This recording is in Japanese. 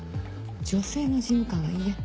女性の事務官は嫌？